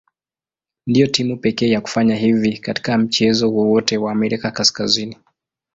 Ndio timu pekee ya kufanya hivi katika mchezo wowote wa Amerika Kaskazini.